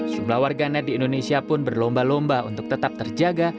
jumlah warganet di indonesia pun berlomba lomba untuk tetap terjaga